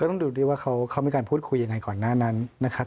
ต้องดูดิว่าเขามีการพูดคุยยังไงก่อนหน้านั้นนะครับ